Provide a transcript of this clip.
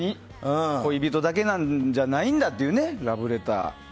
恋人だけじゃないんだっていうラブレター。